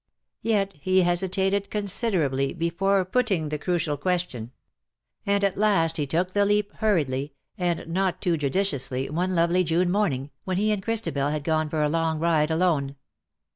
Yet he hesitated considerably before putting the crucial 78 ^' LOVE WILL HAVE HIS DAY." question ; and at last took tlie leap hurriedly, and not too judiciously, one lovely June morning, when he and Christabel had gone for a long ride alone.